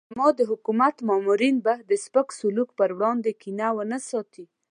زما د حکومت مامورین به د سپک سلوک پر وړاندې کینه ونه ساتي.